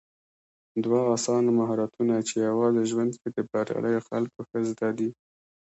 دوه اسانه مهارتونه چې يوازې ژوند کې د برياليو خلکو ښه زده دي